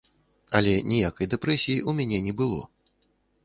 Але ніякай дэпрэсіі ў мяне не было.